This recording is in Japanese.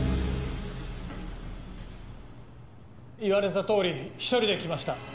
言われた通り１人で来ました。